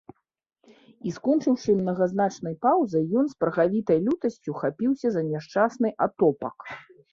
І, скончыўшы мнагазначнай паўзай, ён з прагавітай лютасцю хапіўся за няшчасны атопак.